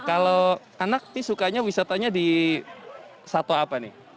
kalau anak ini sukanya wisatanya di sato apa nih